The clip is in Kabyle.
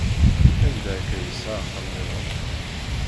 Anda akka yesɛa axxam nniḍen?